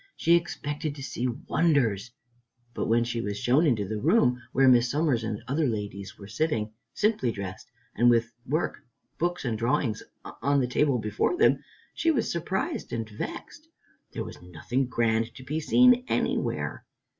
She expected to see wonders, but when she was shown into the room where Miss Somers and other ladies were sitting, simply dressed, and with work, books and drawings on the table before them, she was surprised and vexed. There was nothing grand to be seen anywhere.